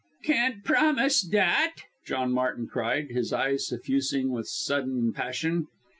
"Can't promise that," John Martin cried, his eyes suffusing with sudden passion.